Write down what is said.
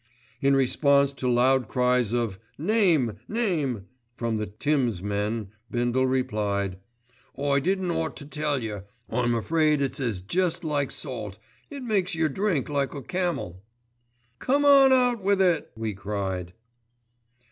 In response to loud cries of "Name, name" from the "Tims" men Bindle replied. "I didn't ought to tell yer, I'm afraid as it's jest like salt, it makes yer drink like a camel." "Come on out with it," we cried.